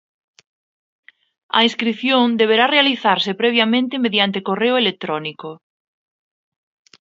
A inscrición deberá realizarse previamente mediante correo electrónico.